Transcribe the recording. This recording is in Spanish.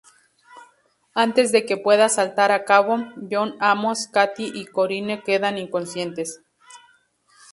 Antes de que pueda asaltar a cabo, John Amos, Cathy y Corrine quedan inconscientes.